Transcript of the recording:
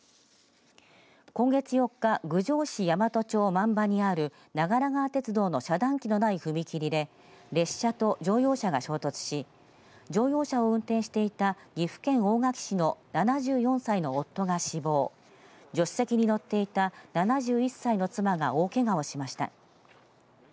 今月４日郡上市大和町万場にある長良川鉄道の遮断機のない踏切で列車と乗用車が衝突し乗用車を運転していた岐阜県大垣市の７４歳の夫が死亡助手席に乗っていた７１歳の妻が大けがをしました。